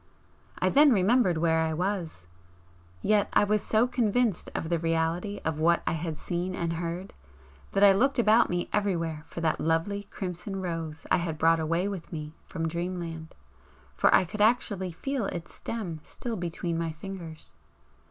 I then remembered where I was, yet I was so convinced of the reality of what I had seen and heard that I looked about me everywhere for that lovely crimson rose I had brought away with me from Dreamland for I could actually feel its stem still between my fingers.